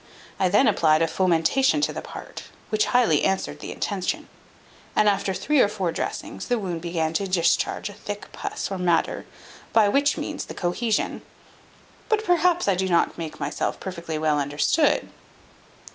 I then applied a fomentation to the part, which highly answered the intention; and after three or four times dressing, the wound began to discharge a thick pus or matter, by which means the cohesion But perhaps I do not make myself perfectly well understood?"